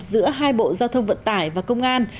giữa hai bộ giao thông vận tải và công an